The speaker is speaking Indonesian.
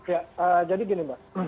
ya jadi gini mbak